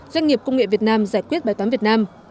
doanh nghiệp công nghệ việt nam giải quyết bài toán việt nam